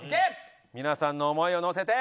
皆さんの思いをのせて。